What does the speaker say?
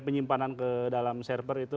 penyimpanan ke dalam server itu